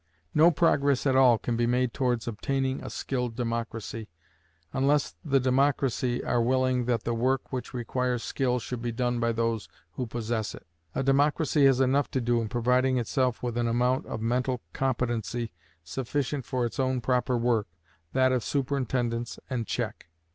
No progress at all can be made towards obtaining a skilled democracy, unless the democracy are willing that the work which requires skill should be done by those who possess it. A democracy has enough to do in providing itself with an amount of mental competency sufficient for its own proper work, that of superintendence and check.